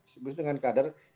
sebenarnya dengan kader